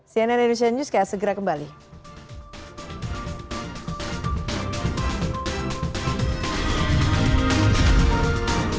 terima kasih pak alex terima kasih pak pandu